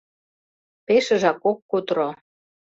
Пешыжак ок кутыро.